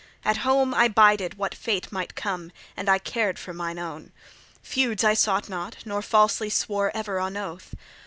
At home I bided what fate might come, and I cared for mine own; feuds I sought not, nor falsely swore ever on oath.